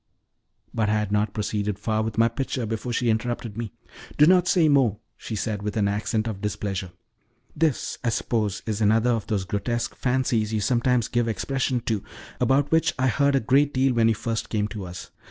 But I had not proceeded far with my picture before she interrupted me. "Do not say more," she said, with an accent of displeasure. "This, I suppose, is another of those grotesque fancies you sometimes give expression to, about which I heard a great deal when you first came to us.